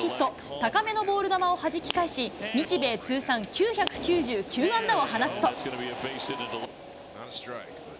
高めのボール球をはじき返し、日米通算９９９安打を放つと。